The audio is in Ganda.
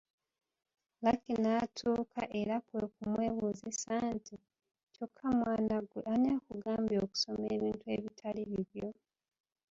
Lucky n’atuuka era kwe kumwebuuzisa nti, ”Kyokka mwana ggwe ani akugambye okusoma ebintu ebitali bibyo".